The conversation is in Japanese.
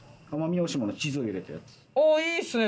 あっいいっすね